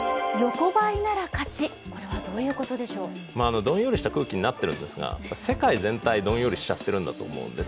どんよりした空気になってるんですが世界全体、どんよりしちゃってると思うんです。